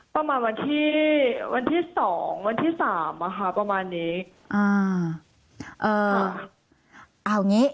ประมาณวันที่วันที่สองวันที่สามอะค่ะประมาณนี้อ่าอ่าเอางี้